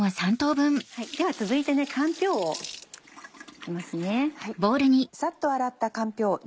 では続いてかんぴょうを煮ますね。